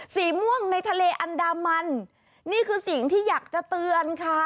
สีม่วงในทะเลอันดามันนี่คือสิ่งที่อยากจะเตือนค่ะ